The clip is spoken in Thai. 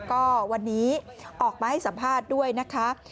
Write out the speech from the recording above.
ก็วันนี้ออกมาให้สัมภาษณ์ด้วยนะคะ